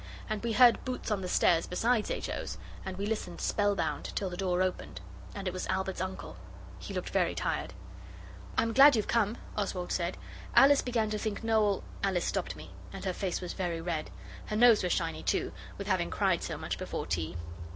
And we heard boots on the stairs besides H. O.'s, and we listened spellbound till the door opened, and it was Albert's uncle. He looked very tired. 'I am glad you've come,' Oswald said. 'Alice began to think Noel ' Alice stopped me, and her face was very red, her nose was shiny too, with having cried so much before tea.